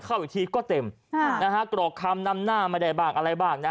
เข้าอีกทีก็เต็มกรอกคำนำนะมาดายบ้างอะไรบ้าง